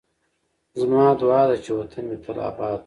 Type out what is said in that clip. زما دعا ده چې وطن مې تل اباد